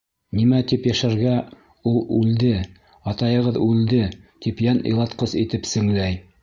Нимә тип йәшәргә, ул үлде, атайығыҙ үлде, тип йән илатҡыс итеп сеңләй.